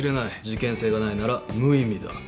事件性がないなら無意味だ。